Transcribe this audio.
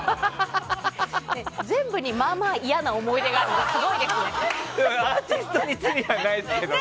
全部にまあまあ嫌な思い出があるのすごいですね。